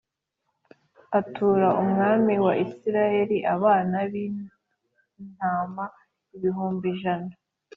Atura umwami wa isirayeli abana b intama ibihumbi ijana